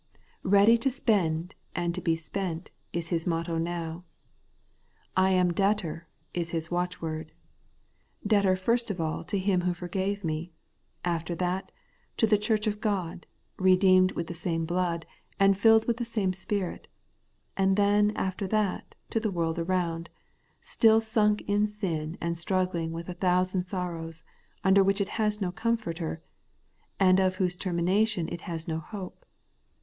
' Eeady to spend and to be spent * is his motto now. ' I am debtor ' is his watchword, — debtor first of all to Him who forgave me ; after that, to the church of God, redeemed' with the same blood, and filled with the same Spirit; and then after that to the world around, still sunk in sin and struggling with a thousand sorrows, under which it has no comforter, and of whose termination it has no hope.